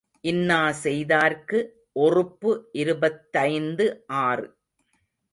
இன்னா செய்தார்க்கு ஒறுப்பு இருபத்தைந்து ஆறு.